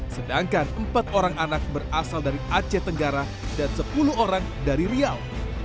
sedangkan empat orang anak berasal dari aceh tenggara dan sepuluh orang dari riau